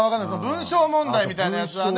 文章問題みたいなやつはね。